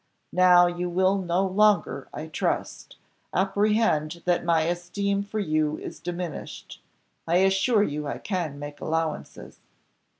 Now you will no longer, I trust, apprehend that my esteem for you is diminished. I assure you I can make allowances."